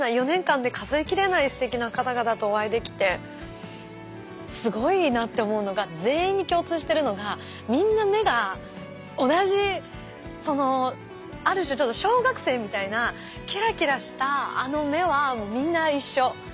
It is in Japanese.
４年間で数え切れないすてきな方々とお会いできてすごいなって思うのが全員に共通してるのがみんな目が同じある種ちょっと小学生みたいなキラキラしたあの目はみんな一緒。